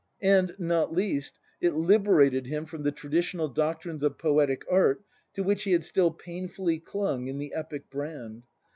And, not least, it liberated him from the tradi tional doctrines of poetic art to which he had still pain fully clung in the epic Brand.